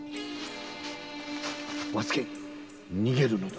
和助逃げるのだ